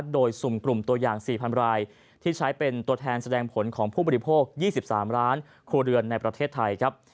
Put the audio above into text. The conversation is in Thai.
โดยสุ่มกลุ่มตัวอย่าง๔๐๐รายที่ใช้เป็นตัวแทนแสดงผลของผู้บริโภค๒๓ล้านครัวเรือนในประเทศไทยครับ